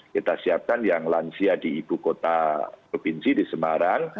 kita siapkan yang lansia di ibu kota provinsi di semarang